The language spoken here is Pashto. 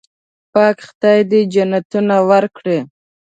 پاک خدای دې جنتونه ورکړي.